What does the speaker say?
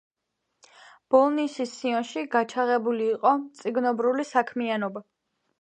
ბოლნისის სიონში გაჩაღებული იყო მწიგნობრული საქმიანობა.